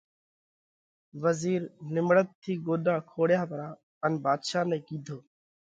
وزِير نِيمڙت ٿِي ڳوڏا کوڙيا پرا ان ڀاڌشا نئہ ڪِيڌو: